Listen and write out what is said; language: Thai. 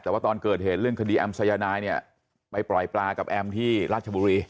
แต่ว่าตอนเกิดเหตุเรื่องคดีแอมสายนายเนี่ยไปปล่อยปลากับแอมที่ราชบุรี